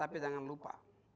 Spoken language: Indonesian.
tapi jangan lupa